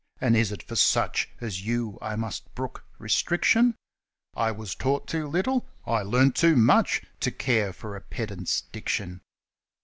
And is it for such As you I must brook restriction ? 1 1 was taught too little ?' I learnt too much To care for a pedant's diction